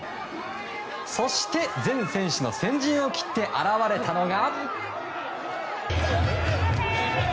そして、全選手の先陣を切って現れたのが。